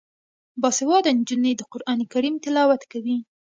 باسواده نجونې د قران کریم تلاوت کوي.